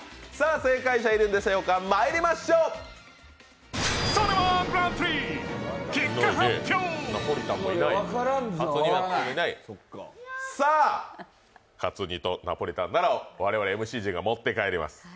正解者いるんでしょうか、まいりましょう！カツ煮とナポリタンなら我々ＭＣ陣が持って帰れます。